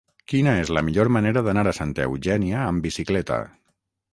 Quina és la millor manera d'anar a Santa Eugènia amb bicicleta?